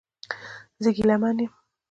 زه ګیلمن یم